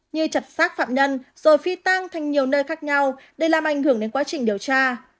như chặt xác phạm nhân rồi phi tăng thành nhiều nơi khác nhau để làm ảnh hưởng đến quá trình điều tra